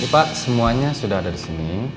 pak semuanya sudah ada disini